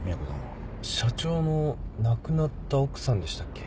社長の亡くなった奥さんでしたっけ？